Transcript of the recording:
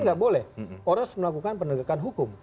tidak boleh orang harus melakukan penergakan hukum